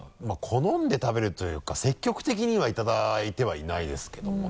好んで食べるというか積極的にはいただいてはいないですけどもね。